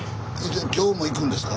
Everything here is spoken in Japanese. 今日も行くんですか？